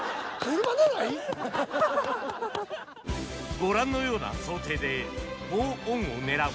ご覧のような想定で４オンを狙う